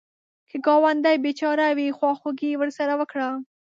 که ګاونډی بېچاره وي، خواخوږي ورسره وکړه